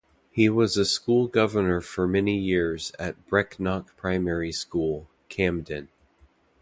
He was a school governor for many years at Brecknock Primary School, Camden.